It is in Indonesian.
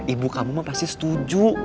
ibu kamu pasti setuju